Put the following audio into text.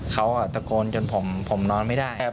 เขาตะโกนจนผมนอนไม่ได้